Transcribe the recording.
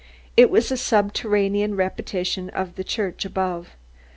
It was a subterranean repetition of the church above.